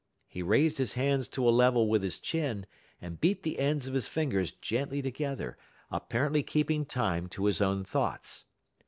He raised his hands to a level with his chin, and beat the ends of his fingers gently together, apparently keeping time to his own thoughts.